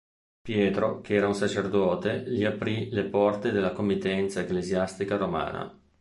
Pietro che era un sacerdote gli aprì le porte della committenza ecclesiastica romana.